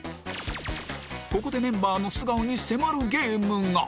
ここでメンバーの素顔に迫るゲームが